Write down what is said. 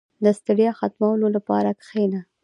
• د ستړیا ختمولو لپاره کښېنه.